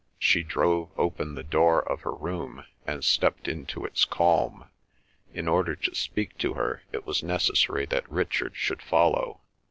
She drove open the door of her room and stepped into its calm. In order to speak to her, it was necessary that Richard should follow.